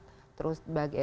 baik itu untuk masyarakat